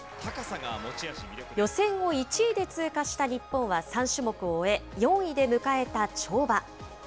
予選を１位で通過した日本は、３種目を終え、４位で迎えた跳馬。